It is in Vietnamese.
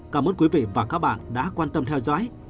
cảm ơn quý vị và các bạn đã quan tâm theo dõi